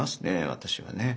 私はね。